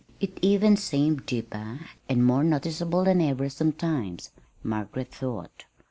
It even seemed deeper and more noticeable than ever sometimes, Margaret thought.